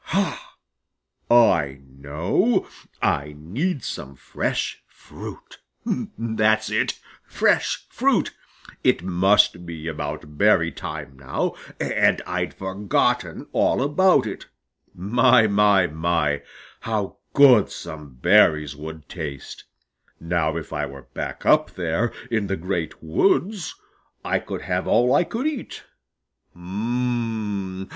Ha! I know! I need some fresh fruit. That's it fresh fruit! It must be about berry time now, and I'd forgotten all about it. My, my, my, how good some berries would taste! Now if I were back up there in the Great Woods I could have all I could eat. Um m m m!